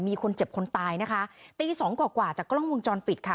มีคนเจ็บคนตายนะคะตีสองกว่ากว่าจากกล้องวงจรปิดค่ะ